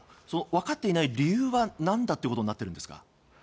分かっていない理由は何だってことになっているんですか。